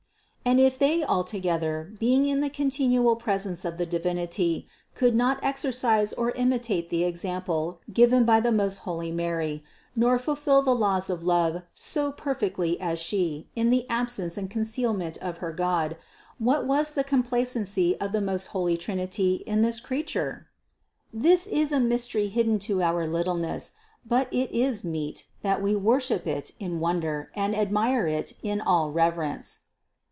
And if they altogether, being in the continual presence of the Divinity could not exercise or imitate the example given by the most holy Mary, nor fulfill the laws of love so perfectly as She in the absence and concealment of her God, what was the complacency of the most holy Trinity in this Creature? This is a mystery hidden to our littleness ; but it is meet, that we worship it in wonder and admire it in all reverence.